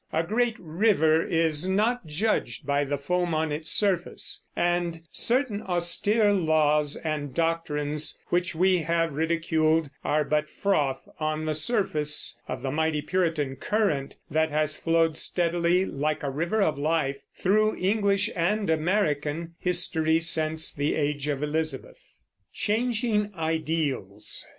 A great river is not judged by the foam on its surface, and certain austere laws and doctrines which we have ridiculed are but froth on the surface of the mighty Puritan current that has flowed steadily, like a river of life, through English and American history since the Age of Elizabeth. CHANGING IDEALS.